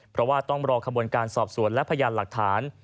เพราะว่าต้องรอขบวนการสอบสวนและพยานหลักฐาน